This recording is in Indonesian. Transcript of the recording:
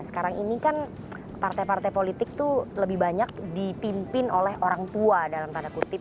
sekarang ini kan partai partai politik itu lebih banyak dipimpin oleh orang tua dalam tanda kutip